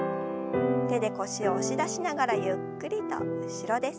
手で腰を押し出しながらゆっくりと後ろです。